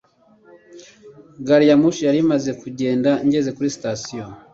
Gari ya moshi yari imaze kugenda ngeze kuri sitasiyo.